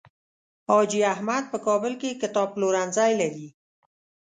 حاجي احمد په کابل کې کتاب پلورنځی لري.